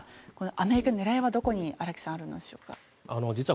アメリカの狙いはどこに荒木さんあるのでしょうか。